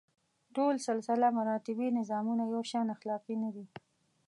ټول سلسله مراتبي نظامونه یو شان اخلاقي نه دي.